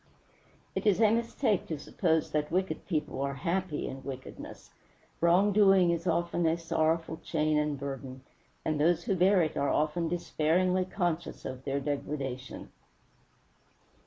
It is a mistake to suppose that wicked people are happy in wickedness. Wrong doing is often a sorrowful chain and burden, and those who bear it are often despairingly conscious of their degradation.